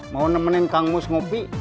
mau nemenin kang mus ngopi